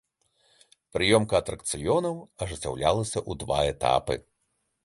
Прыёмка атракцыёнаў ажыццяўлялася ў два этапы.